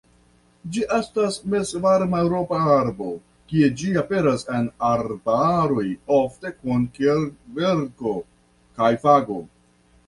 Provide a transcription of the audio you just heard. Ĝi estas Mezvarma-Eŭropa arbo, kie ĝi aperas en arbaroj ofte kun kverko kaj fago.